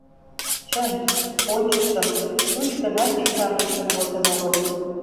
Чын, ончышым, чуч гына шинчам лектын возын огыл.